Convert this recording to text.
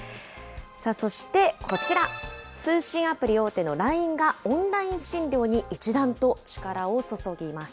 そしてこちら、通信アプリ大手のＬＩＮＥがオンライン診療に一段と力を注ぎます。